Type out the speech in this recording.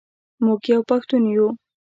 موږ یو پښتون یو.